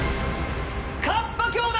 カッパ兄弟！